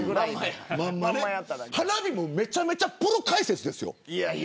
花火もめちゃめちゃプロ解説ですよ。